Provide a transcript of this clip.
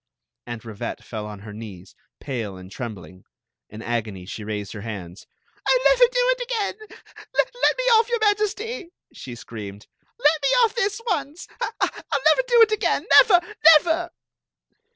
Aunt Rivette fell on her knees, pale and trembling. In agony she raised her hands. " I '11 never do it again ! Let me off, your Majesty !" she screamed. ''Let mt off this <mce\ I '11 n^er do it again f Never! Never!"